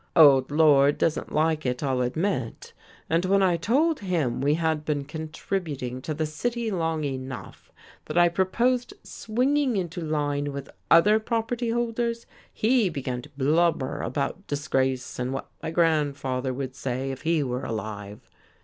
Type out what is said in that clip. Old Lord doesn't like it, I'll admit, and when I told him we had been contributing to the city long enough, that I proposed swinging into line with other property holders, he began to blubber about disgrace and what my grandfather would say if he were alive.